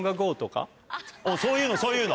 そういうのそういうの。